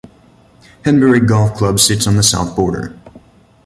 Henbury Golf Club sits on the south border.